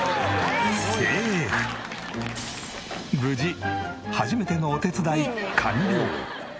無事初めてのお手伝い完了。